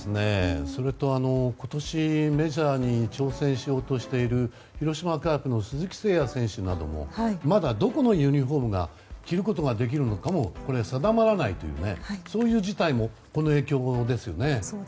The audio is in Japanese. それと今年、メジャーに挑戦しようとしている広島カープの鈴木誠也選手もまだどこユニホームを着ることができるのかも定まらないというそういう事態もこの影響ですよね。